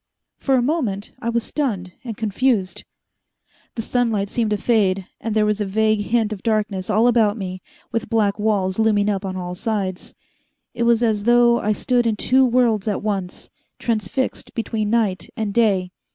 For a moment I was stunned and confused. The sunlight seemed to fade, and there was a vague hint of darkness all about me, with black walls looming up on all sides. It was as though I stood in two worlds at once, transfixed between night and day.